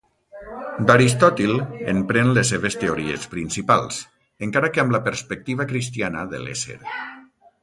D'Aristòtil en pren les seves teories principals, encara que amb la perspectiva cristiana de l'ésser.